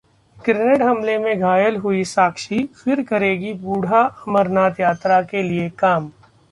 grenade हमले में घायल हुई साक्षी, फिर करेगी बूढ़ा अमरनाथ यात्रा के लिए काम